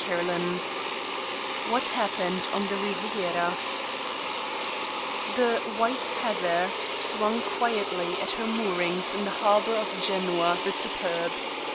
CHAPTER XVIII WHAT HAPPENED ON THE RIVIERA The White Heather swung quietly at her moorings in the harbor of Genoa the Superb.